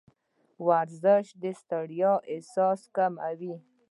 ورزش د ستړیا احساس کموي.